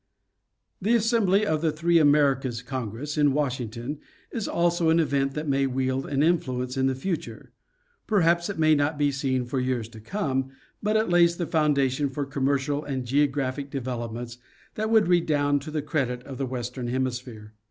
The assembly of the "Three Americas Congress" in Washing ton, is also an event that may wield an influence in the future. Perhaps it may not be seen for years to come, but it lays the foundation for commercial and geographic developments that would redound to the credit of the western hemisphere.